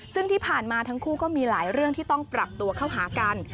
ซึ่งที่ผ่านมาทั้งคู่ก็มีหลายเรื่องที่ต้องปรับตัวเข้าหากัน